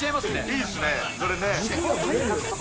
いいっすね、これね。